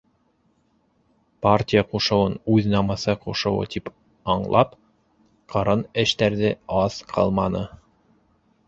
Партия ҡушыуын үҙ намыҫы ҡушыуы тип аңлап, ҡырын эштәрҙе аҙ ҡылманы.